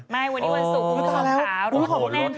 ไม่วันที่วันศูนย์ก็เหลือเบา